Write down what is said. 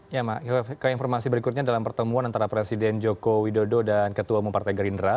ya mak keinformasi berikutnya dalam pertemuan antara presiden joko widodo dan ketua bumpartai gerindra